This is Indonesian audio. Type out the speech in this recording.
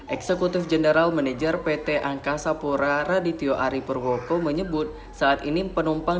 eksekutif general manager pt angkasa pura radityo ari purwoko menyebut saat ini penumpang